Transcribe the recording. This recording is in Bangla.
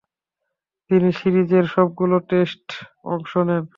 তিনি সিরিজের সবগুলো টেস্টে অংশ নেন।